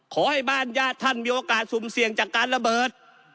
ขอให้บ้านญาติท่านมีโอกาสสุ่มเสี่ยงจากการระเบิด